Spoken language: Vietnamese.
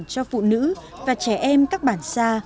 cho phụ nữ và trẻ em các bản xa